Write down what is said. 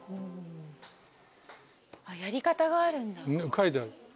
書いてある。